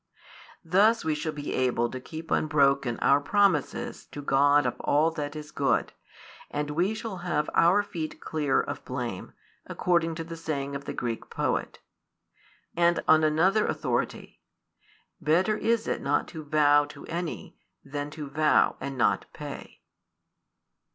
Thus we shall be able to keep unbroken our promises to God of all that is good, and we shall have "our feet clear" of blame, according to the saying of the Greek poet.4 And on other authority: Better is it not to vow to any, than to vow and not pay.